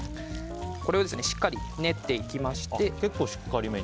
これをしっかり練っていきまして。